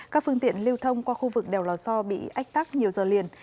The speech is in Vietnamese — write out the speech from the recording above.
các phương tiện lưu thông qua khu vực đèo lò so bị ách tắc nhiều giờ liền